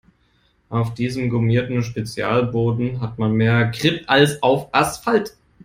Auf diesem gummierten Spezialboden hat man mehr Grip als auf Asphalt.